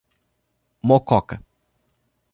Mococa